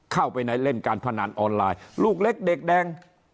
เข้าไปในเล่นการพนันออนไลน์ลูกเล็กเด็กแดง